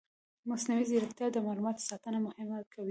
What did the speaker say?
مصنوعي ځیرکتیا د معلوماتو ساتنه مهمه کوي.